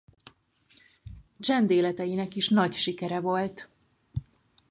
Csendéleteinek is nagy sikere volt.